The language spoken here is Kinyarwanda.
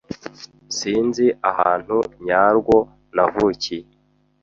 Sinzi ahantu nyarwo navukiye.